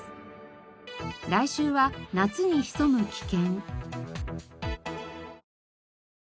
来週は夏に潜む危険。